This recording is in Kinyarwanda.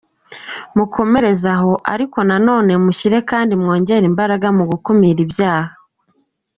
Mukomereze aho; ariko na none mushyire kandi mwongere imbaraga mu gukumira ibyaha.